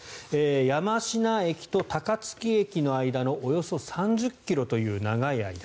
山科駅と高槻駅の間のおよそ３０ｋｍという長い間。